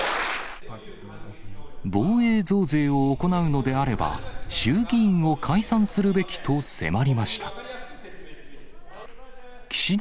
防衛増税を行うのであれば、衆議院を解散するべきと迫りました。